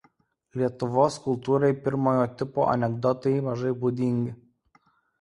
Lietuvos kultūrai pirmojo tipo anekdotai mažai būdingi.